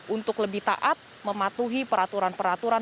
untuk lebih taat mematuhi peraturan peraturan